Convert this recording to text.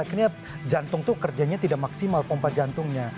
akhirnya jantung tuh kerjanya tidak maksimal pompa jantungnya